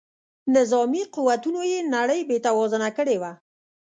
نظامي قوتونو یې نړۍ بې توازونه کړې وه.